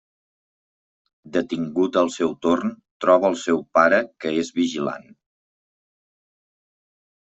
Detingut al seu torn, troba el seu pare que és vigilant.